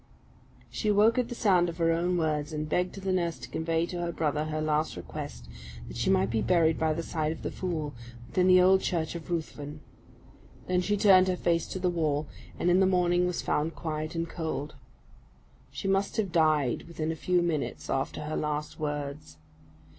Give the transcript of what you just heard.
She awoke at the sound of her own words, and begged the nurse to convey to her brother her last request, that she might be buried by the side of the fool, within the old church of Ruthven. Then she turned her face to the wall, and in the morning was found quiet and cold. She must have died within a few minutes after her last words.